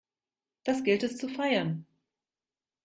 Das gilt es zu feiern!